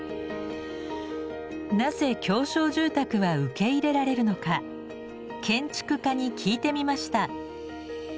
なぜ狭小住宅は受け入れられるのか建築家に聞いてみました。